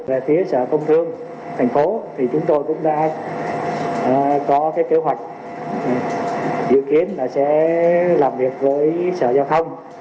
về phía sở công thương thành phố thì chúng tôi cũng đã có cái kế hoạch dự kiến là sẽ làm việc với sở giao thông